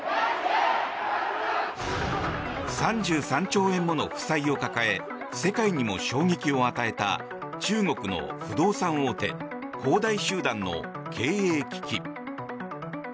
３３兆円もの負債を抱え世界にも衝撃を与えた中国の不動産大手恒大集団の経営危機。